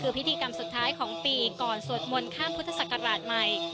ส่วนที่สุดท้ายอย่างก่อนสวดมนต์ข้ามพุทธศักราชใหม่